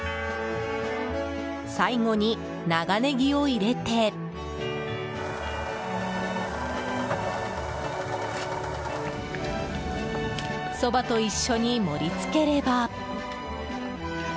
最後に長ネギを入れてそばと一緒に盛り付ければ。